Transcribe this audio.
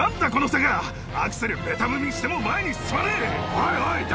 おいおい。